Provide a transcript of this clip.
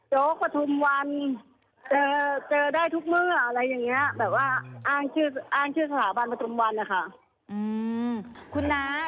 โยกประทุมวันเจอได้ทุกเมื่ออะไรอย่างนี้แบบว่าอ้างชื่อสถาบันประทุมวัน